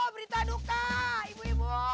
berita duka ibu ibu